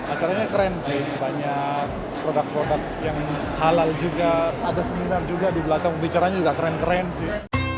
acaranya keren sih banyak produk produk yang halal juga ada seminar juga di belakang bicaranya juga keren keren sih